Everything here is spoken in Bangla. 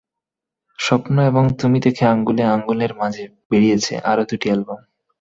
স্বপ্ন এবং তুমি থেকে আঙুলে আঙুল-এর মাঝে বেরিয়েছে আরও দুটি অ্যালবাম।